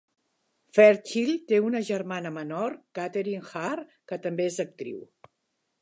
Fairchild té una germana menor, Cathryn Hartt, que també és actriu.